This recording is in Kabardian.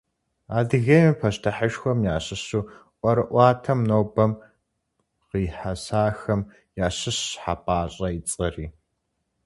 Адыгейм и пащтыхьышхуэхэм ящыщу ӏуэрыӏуатэм нобэм къихьэсахэм ящыщщ Хьэпащӏэ и цӏэри.